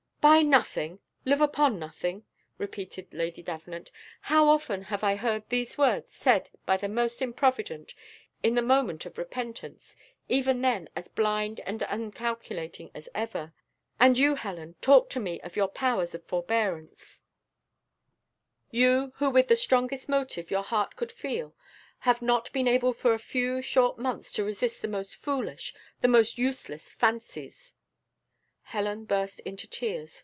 "Buy nothing live upon nothing!" repeated Lady Davenant; "how often have I heard these words said by the most improvident, in the moment of repentance, even then as blind and uncalculating as ever! And you, Helen, talk to me of your powers of forbearance, you, who, with the strongest motive your heart could feel, have not been able for a few short months to resist the most foolish the most useless fancies." Helen burst into tears.